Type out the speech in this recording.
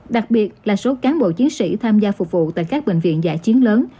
đặc biệt là số cán bộ chiến sĩ tham gia phục vụ tại các bệnh viện giả chiến lớn